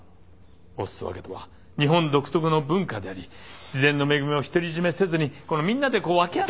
お裾分けとは日本独特の文化であり自然の恵みを独り占めせずにみんなでこう分け合って。